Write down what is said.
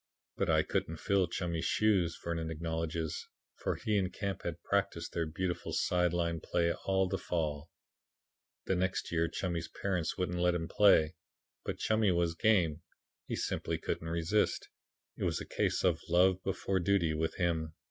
"But I couldn't fill Chummy's shoes," Vernon acknowledges, "for he and Camp had practiced their beautiful side line play all the fall. "The next year Chummy's parents wouldn't let him play, but Chummy was game he simply couldn't resist it was a case of Love Before Duty with him.